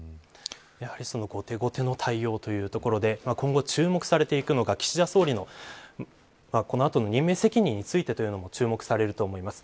やはり、後手後手の対応というところで今後、注目されていくのが岸田総理のこの後の任命責任についてというのも注目されると思います。